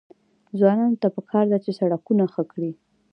ځوانانو ته پکار ده چې، سړکونه ښه کړي.